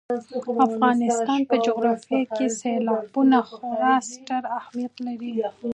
د افغانستان په جغرافیه کې سیلابونه خورا ستر اهمیت لري.